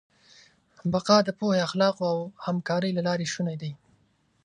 بقا د پوهې، اخلاقو او همکارۍ له لارې شونې ده.